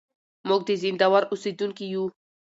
موږ د زينداور اوسېدونکي يو.